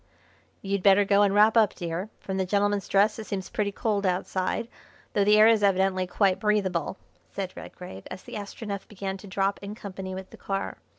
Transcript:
"You'd better go and wrap up, dear. From the gentleman's dress it seems pretty cold outside; though the air is evidently quite breathable," said Redgrave, as the Astronef began to drop in company with the car.